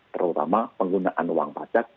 terutama penggunaan uang pajak